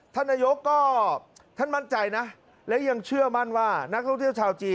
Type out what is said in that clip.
ท่านนายกก็ท่านมั่นใจนะและยังเชื่อมั่นว่านักท่องเที่ยวชาวจีน